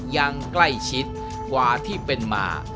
ยังใกล้ชิดกว่าที่เป็นมา